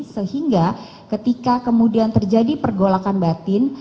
sehingga ketika kemudian terjadi pergolakan batin